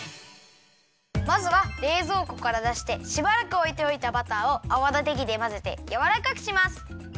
まずはれいぞうこからだしてしばらくおいておいたバターをあわだてきでまぜてやわらかくします。